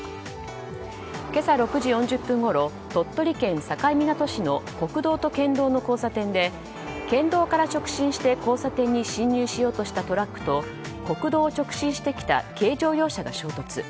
今朝６時４０分ごろ鳥取県境港市の国道と県道の交差点で県道から直進して交差点に進入しようとしたトラックと国道を直進してきた軽乗用車が衝突。